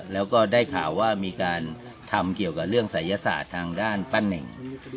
แล้วก็ได้ข่าวว่ามีการทำเกี่ยวกับเรื่องศัยศาสตร์ทางด้านป้าเน่ง